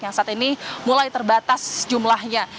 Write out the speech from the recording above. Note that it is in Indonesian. yang saat ini mulai terbatas jumlahnya